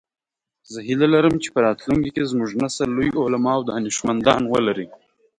زه هیله لرم چې په راتلونکي کې زموږ نسل لوی علماء او دانشمندان ولری